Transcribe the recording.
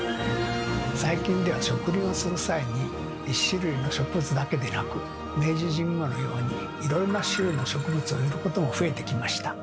最近では植林をする際に１種類の植物だけでなく明治神宮のようにいろいろな種類の植物を植えることも増えてきました。